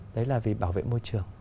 đấy là vì bảo vệ môi trường